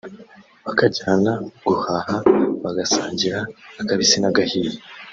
bakajyana guhaha bagasangira akabisi n’agahiye